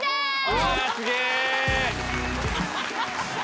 うわすげえ！